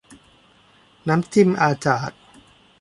น้ำจิ้มอาจาด